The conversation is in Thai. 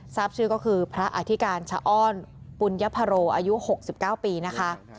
ทราบชื่อก็คือพระอธิการชะอ้อนปุญญภโรอายุหกสิบเก้าปีนะคะ